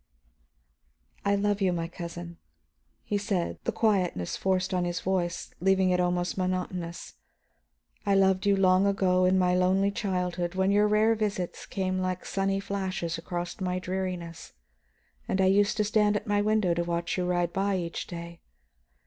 "I love you, my cousin," he said, the quietness forced on his voice leaving it almost monotonous. "I loved you long ago in my lonely childhood, when your rare visits came like sunny flashes across my dreariness and I used to stand at my window to watch you ride by each day.